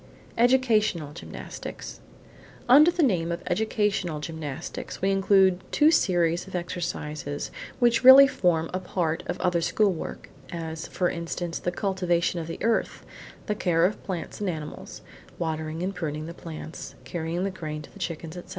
EDUCATIONAL GYMNASTICS Under the name of educational gymnastics, we include two series of exercises which really form a part of other school work, as, for instance, the cultivation of the earth, the care of plants and animals (watering and pruning the plants, carrying the grain to the chickens, etc.).